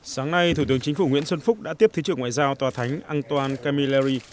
sáng nay thủ tướng chính phủ nguyễn xuân phúc đã tiếp thứ trưởng ngoại giao tòa thánh anton camilleri